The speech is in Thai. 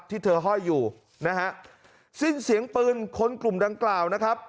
ที่เธอห้อยอยู่นะฮะสิ้นเสียงปืนคนกลุ่มดังกล่าวนะครับ